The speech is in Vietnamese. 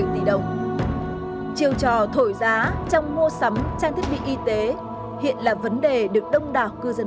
bảy tỷ đồng chiều trò thổi giá trong mua sắm trang thiết bị y tế hiện là vấn đề được đông đảo cư dân